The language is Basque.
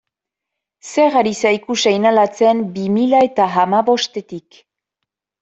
Zer ari zaigu seinalatzen bi mila eta hamabostetik?